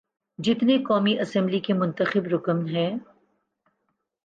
جتنے قومی اسمبلی کے منتخب رکن ہیں۔